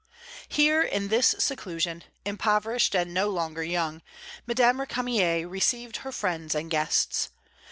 Here, in this seclusion, impoverished, and no longer young, Madame Récamier received her friends and guests.